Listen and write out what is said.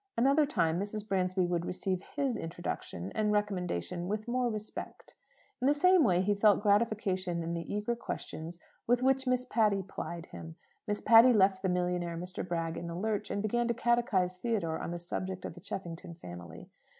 Another time Mrs. Bransby would receive his introduction and recommendation with more respect. In the same way, he felt gratification in the eager questions with which Miss Patty plied him. Miss Patty left the millionaire Mr. Bragg in the lurch, and began to catechize Theodore on the subject of the Cheffington family.